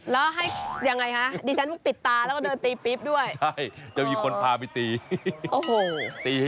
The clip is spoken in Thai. แล้วให้อย่างไรคะ